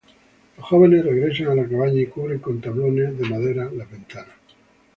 Los jóvenes regresan a la cabaña y cubren con tablones de madera las ventanas.